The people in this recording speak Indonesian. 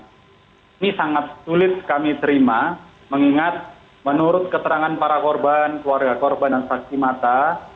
ini sangat sulit kami terima mengingat menurut keterangan para korban keluarga korban dan saksi mata